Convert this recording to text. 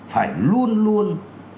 phải luôn luôn